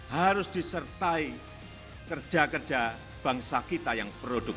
harus disertai kerja kerja bangsa kita yang produktif